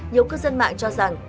nhiều cư dân mạng cho biết